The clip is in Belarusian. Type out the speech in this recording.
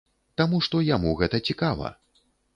Таму што яму гэта цікава.